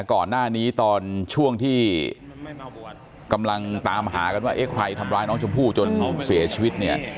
ก่อนหน้านี้ตอนช่วงที่กำลังตามหากันว่าเอ๊ะใครทำร้ายน้องชมพู่จนเสียชีวิตเนี่ย